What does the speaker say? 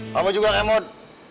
kamu juga emot